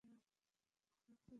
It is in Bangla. তার সাথে কথা বলব আমি।